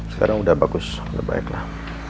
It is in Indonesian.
sekarang udah bagus lebih baik lah